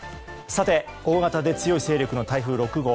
大型で強い勢力の台風６号。